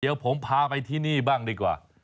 เดี๋ยวผมพาไปที่นี่บ้างดีกว่า